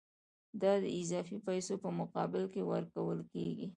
دا د اضافي پیسو په مقابل کې ورکول کېږي